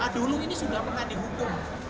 dulu ini sudah pernah dihukum